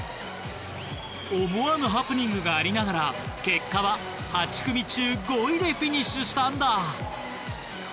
思わぬハプニングがありながら結果は８組中５位でフィニッシュしたんだ。